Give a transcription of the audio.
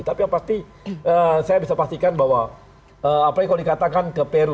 tapi yang pasti saya bisa pastikan bahwa apalagi kalau dikatakan ke peru